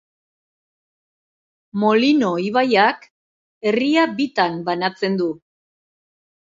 Molino ibaiak herria bitan banatzen du.